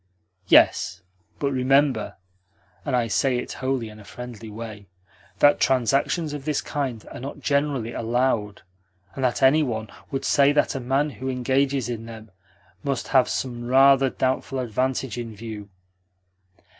"Yes, but remember (and I say it wholly in a friendly way) that transactions of this kind are not generally allowed, and that any one would say that a man who engages in them must have some rather doubtful advantage in view."